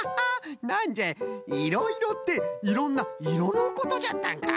なんじゃいいろいろっていろんないろのことじゃったんか。